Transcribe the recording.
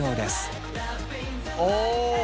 お！